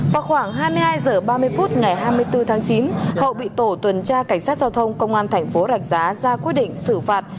vào khoảng hai mươi hai h ba mươi phút ngày hai mươi bốn tháng chín hậu bị tổ tuần tra cảnh sát giao thông công an thành phố rạch giá ra quyết định xử phạt